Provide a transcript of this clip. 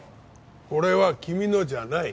これは君のじゃない。